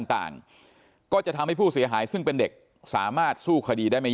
ต่างก็จะทำให้ผู้เสียหายซึ่งเป็นเด็กสามารถสู้คดีได้ไม่